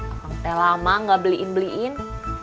akang teh lama gak beliin beliin